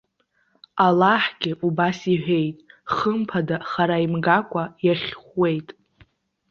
Аллаҳгьы убас иҳәеит:- Хымԥада, хара имгакәа иахьхәуеит!